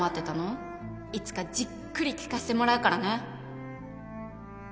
「いつかじっくり聞かせてもらうからね」